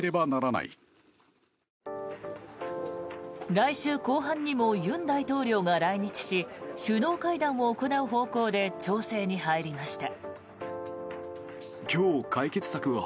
来週後半にも尹大統領が来日し首脳会談を行う方向で調整に入りました。